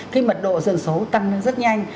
cái mật độ dần số tăng rất nhanh